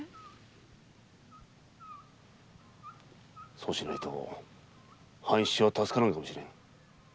そうしないと半七は助からぬかもしれぬ。